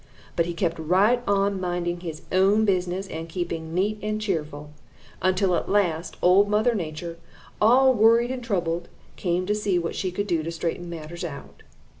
But he kept right on minding his own business and keeping neat and cheerful, until at last Old Mother Nature, all worried and troubled, came to see what she could do to straighten matters out.